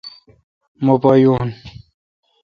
مہ پا یون۔